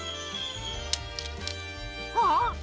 あっ！